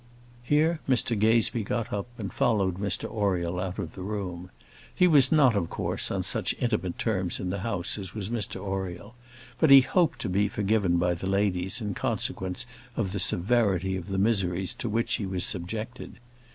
Here Mr Gazebee got up, and followed Mr Oriel out of the room. He was not, of course, on such intimate terms in the house as was Mr Oriel; but he hoped to be forgiven by the ladies in consequence of the severity of the miseries to which he was subjected.